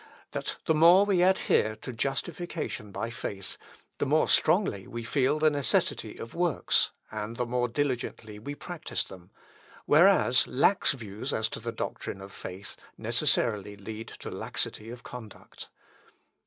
that the more we adhere to justification by faith, the more strongly we feel the necessity of works, and the more diligently we practise them; whereas lax views as to the doctrine of faith necessarily lead to laxity of conduct.